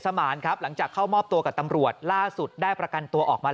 มานครับหลังจากเข้ามอบตัวกับตำรวจล่าสุดได้ประกันตัวออกมา